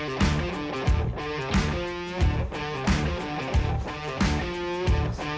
berita terkini menunjukkan keadaan sejarah di jepang tahun dua ribu dua puluh tiga